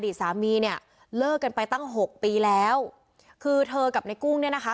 สามีเนี่ยเลิกกันไปตั้งหกปีแล้วคือเธอกับในกุ้งเนี่ยนะคะ